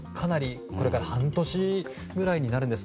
これが半年ぐらいになるんです。